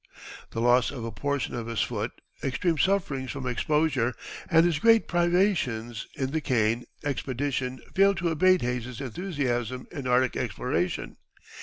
The loss of a portion of his foot, extreme sufferings from exposure, and his great privations in the Kane expedition failed to abate Hayes's enthusiasm in Arctic exploration.